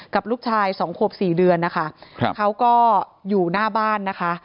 กับลูกชายสองขวบสี่เดือนนะคะเขาก็อยู่หน้าบ้านนะคะ